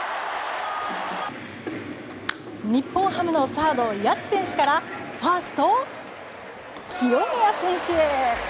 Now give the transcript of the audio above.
日本ハムのサード、谷内選手からファースト、清宮選手へ。